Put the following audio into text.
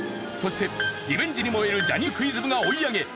そしてリベンジに燃えるジャニーズクイズ部が追い上げ